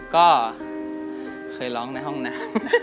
ก็เคยร้องในห้องน้ำ